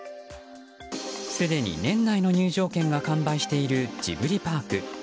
すでに年内の入場券が完売しているジブリパーク。